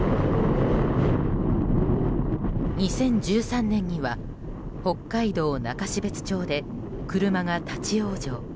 ２０１３年には北海道中標津町で車が立ち往生。